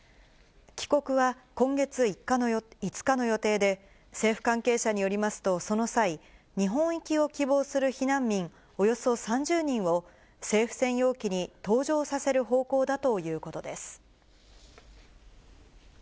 帰国は今月５日の予定で、政府関係者によりますと、その際、日本行きを希望する避難民およそ３０人を、政府専用機に搭乗させる方向だということです。